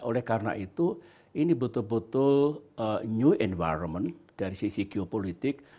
oleh karena itu ini betul betul new environment dari sisi geopolitik